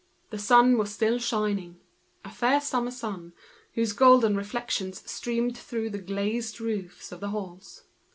The sun was still shining—a blonde summer sun, of which the golden reflection streamed through the glazed roofs of the halls.